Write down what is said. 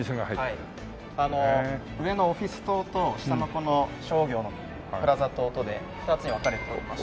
上のオフィス棟と下の商業のプラザ棟とで２つに分かれておりまして。